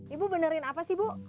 ibu benerin apa sih bu